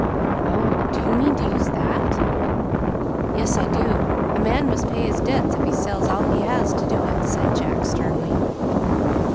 "Oh, do you mean to use that?" "Yes, I do; a man must pay his debts if he sells all he has to do it," said Jack sternly.